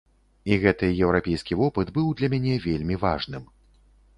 І гэты еўрапейскі вопыт быў для мяне вельмі важным.